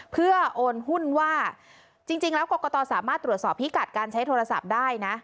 เพื่อโอนหุ้นว่าจริงแล้วกรกตสามารถตรวจสอบพิกัดการใช้โทรศัพท์ได้นะ